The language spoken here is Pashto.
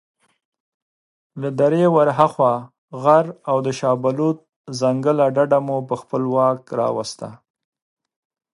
له درې ورهاخوا غر او د شابلوط ځنګله ډډه مو په خپل واک راوسته.